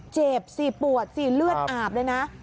เจ็บสิปวดสิเลือดอาบเลยนะ